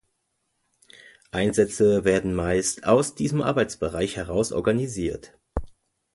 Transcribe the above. Einsätze werden meist aus diesem Arbeitsbereich heraus organisiert.